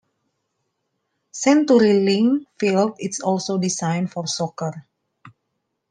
CenturyLink Field is also designed for soccer.